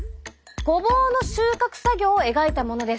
ごぼうの収穫作業を描いたものです。